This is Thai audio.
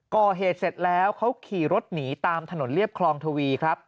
ก่อเหตุเสร็จแล้วเขาขี่รถหนีตามถนนเรียบคลองทวีครับ